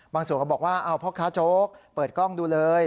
บางส่วนเขาบอกว่าพ่อค้าโจ๊กเปิดกล้องดูเลย